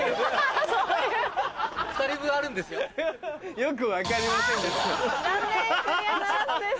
よく分かりませんでした。